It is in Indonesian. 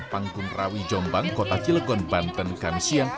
pangkunrawi jombang kota cilegon banten kansia